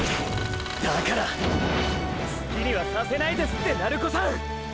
だから好きにはさせないですって鳴子さん！！